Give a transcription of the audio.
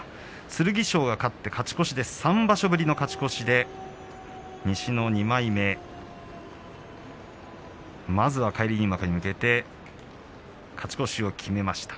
剣翔が勝って３場所ぶりの勝ち越しで西の２枚目まずは返り入幕に向けて勝ち越しを決めました。